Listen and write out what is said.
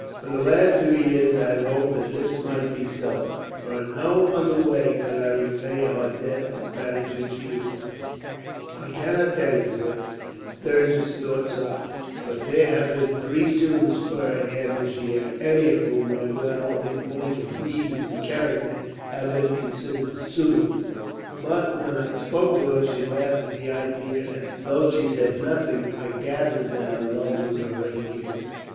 "For the last two years I have hoped that this might be so, for in no other way could I repay our debt of gratitude to you. I cannot tell what Thirza's thoughts are; but there have been three suitors for her hand this year, any of whom might well, in point of means and character, have been considered suitable; but when I spoke to her she laughed at the idea and, though she said nothing, I gathered that her love was already given.